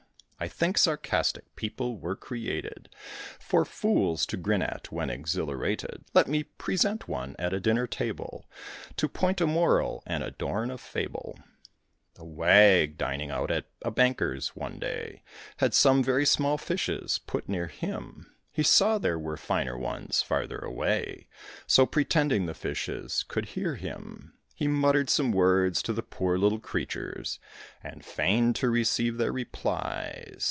I think sarcastic people were created For fools to grin at, when exhilarated. Let me present one at a dinner table, To point a moral and adorn a fable. A wag, dining out at a banker's, one day, Had some very small fishes put near him. He saw there were finer ones farther away, So, pretending the fishes could hear him, He mutter'd some words to the poor little creatures, And feign'd to receive their replies.